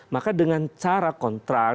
maka dengan cara kontrak